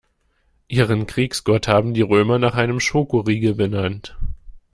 Ihren Kriegsgott haben die Römer nach einem Schokoriegel benannt.